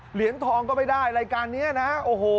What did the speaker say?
เหรียญทองก็ไม่ได้รายการนี้นะโอ้โห